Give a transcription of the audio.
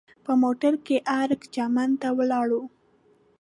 په موټر کې ارګ چمن ته ولاړو.